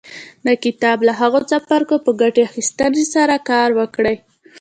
د کتاب له هغو څپرکو په ګټې اخيستنې سره کار وکړئ.